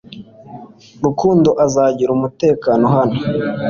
Rukundo azagira umutekano hano .